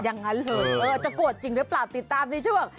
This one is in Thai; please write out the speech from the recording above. อย่างนั้นเลยจะโกรธจริงหรือเปล่าติดตามในช่วง